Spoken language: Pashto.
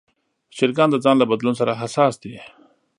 چرګان د ځای له بدلون سره حساس دي.